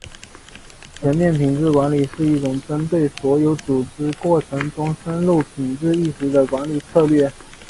全面品质管理是一种针对所有组织过程中深入品质意识的管理策略。